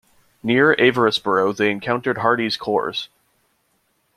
Near Averasborough, they encountered Hardee's corps.